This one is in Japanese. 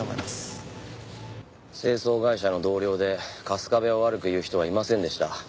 清掃会社の同僚で春日部を悪く言う人はいませんでした。